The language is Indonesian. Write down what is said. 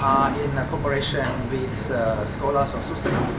hoki kami berkumpul dengan scholas of sustenance